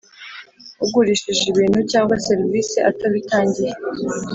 Ugurishije ibintu cyangwa serivisi atabitangiye